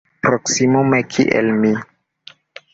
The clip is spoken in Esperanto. Proksimume kiel mi.